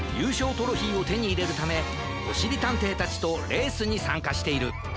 トロフィーをてにいれるためおしりたんていたちとレースにさんかしている。